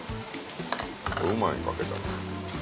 うまいかけたら。